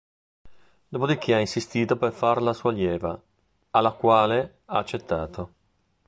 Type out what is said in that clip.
Dopo di che ha insistito per farla sua allieva, alla quale ha accettato.